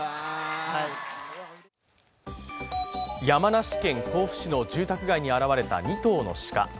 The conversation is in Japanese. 山梨県甲府市の住宅街に現れた２頭の鹿。